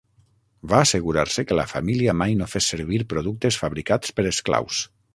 Va assegurar-se que la família mai no fes servir productes fabricats per esclaus.